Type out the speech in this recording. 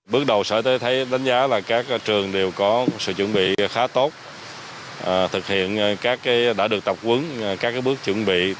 bước đầu sở y tế thấy đánh giá là các trường đều có sự chuẩn bị khá tốt thực hiện đã được tập quấn các bước chuẩn bị